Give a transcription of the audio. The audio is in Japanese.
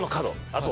あと